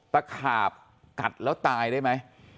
ตะขาบกัดแล้วตายได้ไหม